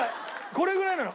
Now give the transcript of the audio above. これぐらいなの。